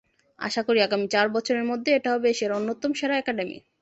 আশা করি, আগামী চার বছরের মধ্যে এটা হবে এশিয়ার অন্যতম সেরা একাডেমি।